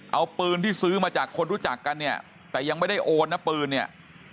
เอาปืนที่ซื้อมาจากคนรู้จักกันเนี่ยแต่ยังไม่ได้โอนนะปืนเนี่ย